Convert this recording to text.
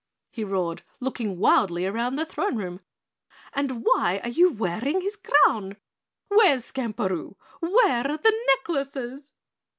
he roared, looking wildly around the throne room, "and why are you wearing his crown? Where's Skamperoo where're the necklaces?"